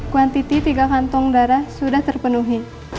kuantiti tiga kantong darah sudah terpenuhi